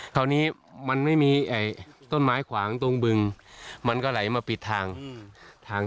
คราวนี้มันไม่มีต้นไม้ขวางตรงบึงมันก็ไหลมาปิดทางทาง